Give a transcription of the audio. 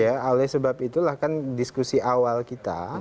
ya oleh sebab itulah kan diskusi awal kita